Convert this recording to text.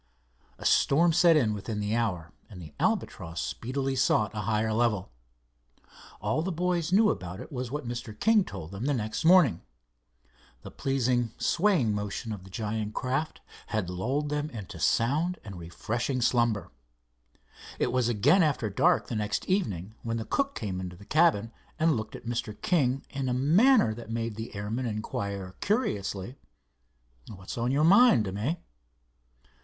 A storm set in within the hour and the Albatross speedily sought a higher level. All the boys knew about it was what Mr. King told them the next morning. The pleasing swaying motion of the giant craft had lulled them to sound and refreshing slumber. It was again after dark the next evening when the cook came into the cabin, and looked at Mr. King in a manner that made the airman inquire curiously: "What's on your mind, Demys?"